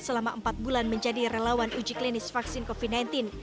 selama empat bulan menjadi relawan uji klinis vaksin covid sembilan belas